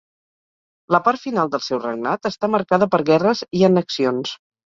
La part final del seu regnat està marcada per guerres i annexions.